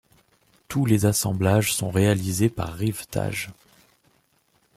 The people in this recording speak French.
Tous les assemblages sont réalisés par rivetage.